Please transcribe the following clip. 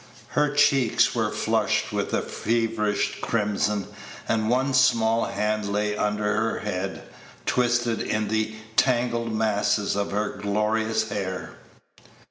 Her cheeks were flushed with a feverish crimson, and one small hand lay under her head, twisted in the tangled masses of her glorious hair.